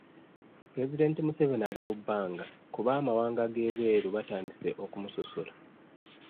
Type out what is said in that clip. Pulezidenti Museveni ali mu bbanga kuba amawanga g'ebweru batandise okumusosola.